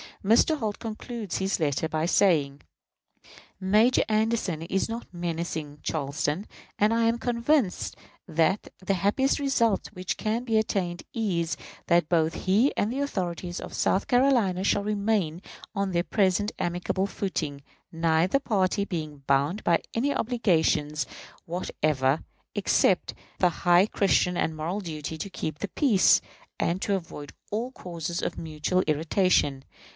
Mr. Holt concludes his letter by saying: Major Anderson is not menacing Charleston; and I am convinced that the happiest result which can be attained is, that both he and the authorities of South Carolina shall remain on their present amicable footing, neither party being bound by any obligations whatever, except the high Christian and moral duty to keep the peace, and to avoid all causes of mutual irritation.